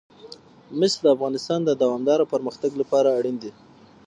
مس د افغانستان د دوامداره پرمختګ لپاره اړین دي.